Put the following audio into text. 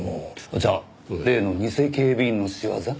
じゃあ例の偽警備員の仕業？